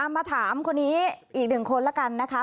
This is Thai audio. มาถามคนนี้อีกหนึ่งคนละกันนะคะ